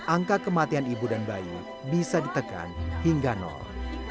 angka kematian ibu dan bayi bisa ditekan hingga nol